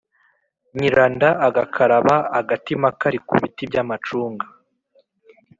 nyiranda agakaraba agatima kari ku biti by'amacunga